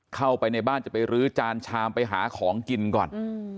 เข้าไปในบ้านจะไปรื้อจานชามไปหาของกินก่อน